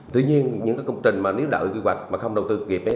tuy nhiên những công trình mà nếu lợi quy hoạch mà không đầu tư kịp